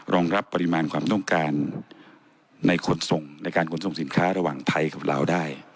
รองรับปริมาณความต้องการในขนส่งในการขนส่งสินค้าระหว่างไทยกับลาวได้